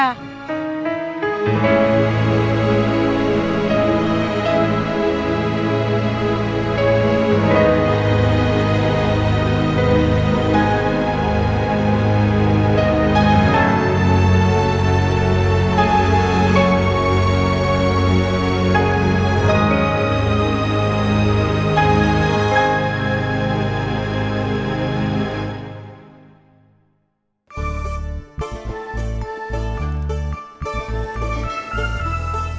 saya selalu larang